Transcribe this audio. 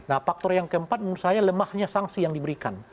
nah faktor yang keempat menurut saya lemahnya sanksi yang diberikan